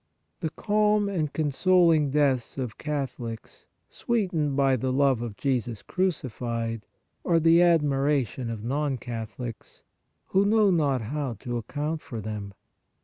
The calm and consoling deaths of Cath olics, sweetened by the love of Jesus crucified, are the admiration of non Catholics, who know not how to account for them.